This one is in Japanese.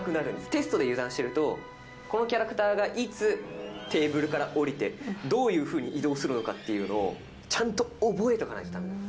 テストで油断していると、このキャラクターがいつテーブルから下りて、どういうふうに移動するのかっていうのを、ちゃんと覚えとかないとだめなんです。